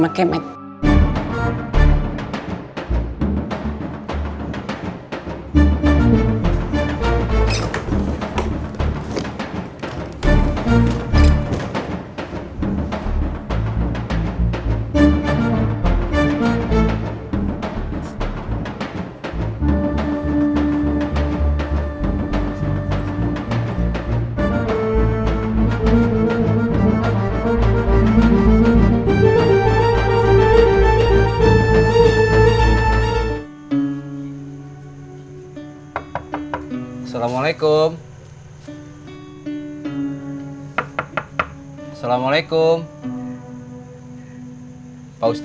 masih mau berhenti